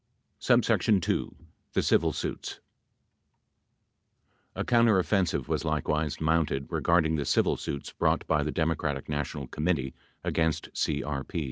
2. TUB CIVIL SUITS A counteroffensive was likewise mounted regarding the civil suits brought by the Democratic National Committee against CEP.